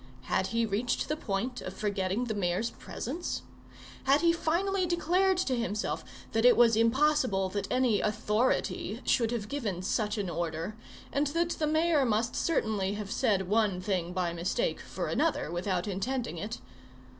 Had he reached the point of forgetting the mayor's presence? Had he finally declared to himself that it was impossible that any "authority" should have given such an order, and that the mayor must certainly have said one thing by mistake for another, without intending it?